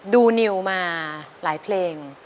ดูนิวมาหลายเพลง